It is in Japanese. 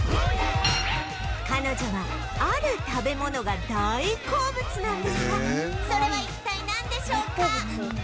彼女はある食べ物が大好物なんですがそれは一体なんでしょうか？